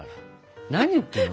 何言ってるの？